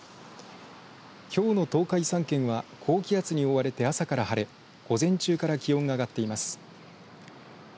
きょうの東海３県は高気圧に覆われて朝から晴れ午前中から気温が上がっています。